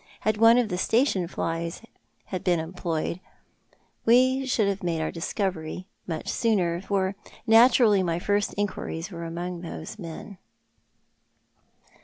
Had one of the station flies lieen employed, we should have made our discovery mucli sooner, for naturally my first inquiries were among those men."